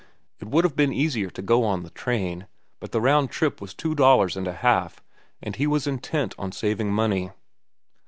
It would have been easier to go on the train, but the round trip was two dollars and a half, and he was intent on saving money.